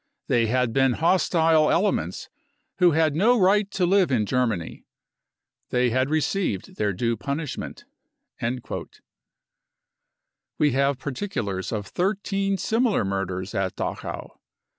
They had been hostile elements who h^d no right to live in Germany ; they had received their due punishment. 35 We have particulars of thirteen similar murders at Dachau.